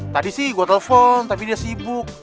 tadi sih gue telepon tapi dia sibuk